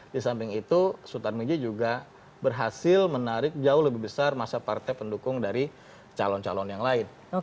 di samping itu sutar miji juga berhasil menarik jauh lebih besar masa partai pendukung dari calon calon yang lain